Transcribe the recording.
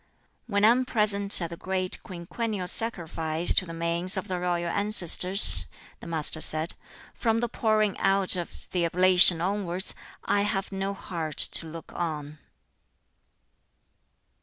"When I am present at the great quinquennial sacrifice to the manes of the royal ancestors," the Master said, "from the pouring out of the oblation onwards, I have no heart to look on."